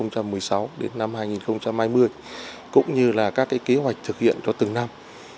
từ năm hai nghìn một mươi sáu đến năm hai nghìn hai mươi cũng như là các kế hoạch thực hiện cho từng năm